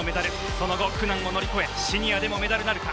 その後、苦難を乗り越えシニアでもメダルなるか。